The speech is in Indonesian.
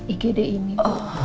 igd ini bu